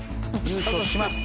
優勝します！